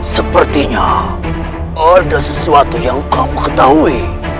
sepertinya ada sesuatu yang kamu ketahui